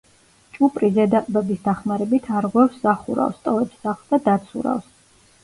ჭუპრი ზედა ყბების დახმარებით არღვევს სახურავს, ტოვებს „სახლს“ და დაცურავს.